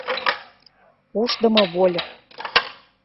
Ушдымо вольык.